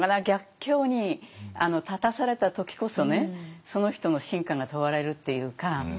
逆境に立たされた時こそねその人の真価が問われるっていうか